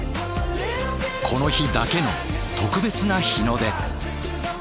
この日だけの特別な日の出。